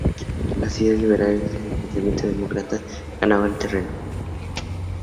Las ideas liberales y el pensamiento demócrata ganaban terreno.